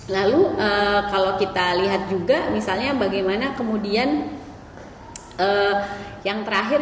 lalu kalau kita lihat juga misalnya bagaimana kemudian yang terakhir